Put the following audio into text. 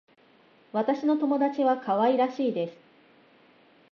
私の友達は可愛らしいです。